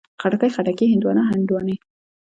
خټکی، خټکي، هندواڼه، هندواڼې